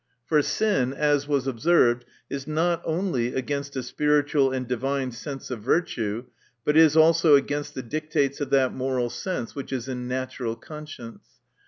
For sin, as was observed, is not only against a spiritual and divine sense of virtue, but is also against the dictates of that moral sense which is in natural conscience.